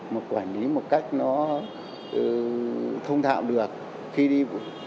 nghĩ một cách nó thông thạo được khi đi